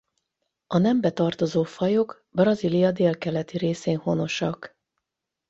A nembe tartozó fajok Brazília délkeleti részén honosak.